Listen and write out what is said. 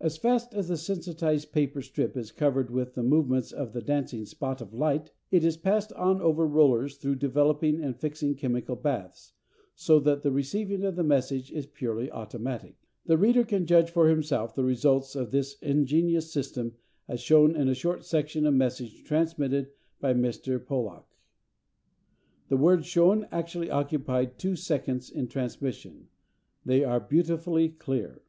As fast as the sensitised paper strip is covered with the movements of the dancing spot of light it is passed on over rollers through developing and fixing chemical baths; so that the receiving of messages is purely automatic. The reader can judge for himself the results of this ingenious system as shown in a short section of a message transmitted by Mr. Pollak. The words shown actually occupied two seconds in transmission. They are beautifully clear.